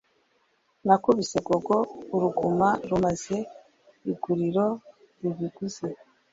nakubise gogo uruguma rumaze iguriro i biguzi